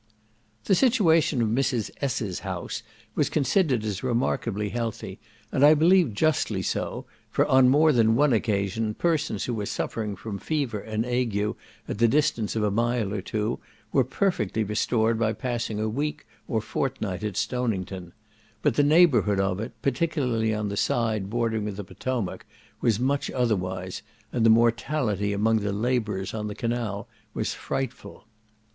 The situation of Mrs. S—'s house was considered as remarkably healthy, and I believe justly so, for on more than one occasion, persons who were suffering from fever and ague at the distance of a mile or two, were perfectly restored by passing a week or fortnight at Stonington; but the neighbourhood of it, particularly on the side bordering the Potomac, was much otherwise, and the mortality among the labourers on the canal was frightful.